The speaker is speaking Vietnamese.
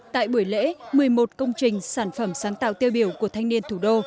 tại buổi lễ một mươi một công trình sản phẩm sáng tạo tiêu biểu của thanh niên thủ đô